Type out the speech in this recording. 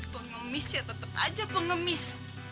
pengumis ya tetep aja pengumis